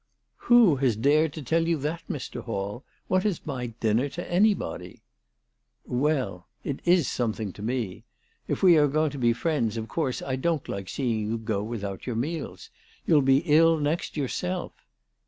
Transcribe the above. Who has dared to tell you that, Mr. Hall ? "What is my dinner to anybody ?"" Well. It is something to me. If we are to be friends of course I don't like seeing you go without your meals. You'll be ill next yourself."